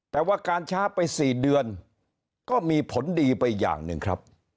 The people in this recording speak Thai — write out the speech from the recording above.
แต่ว่าการช้าไป๔เดือนก็มีผลดีไปอย่างหนึ่งครับ